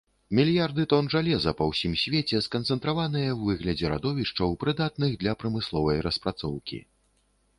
Мільярды тон жалеза па ўсім свеце сканцэнтраваныя ў выглядзе радовішчаў, прыдатных для прамысловай распрацоўкі.